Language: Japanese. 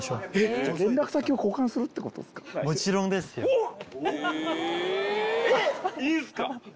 おっ！